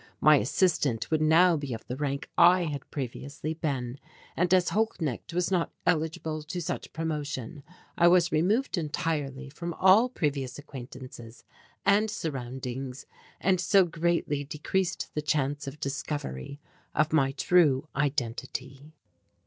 My assistant would now be of the rank I had previously been and as Holknecht was not eligible to such promotion I was removed entirely from all previous acquaintances and surroundings and so greatly decreased the chance of discovery of my true identity.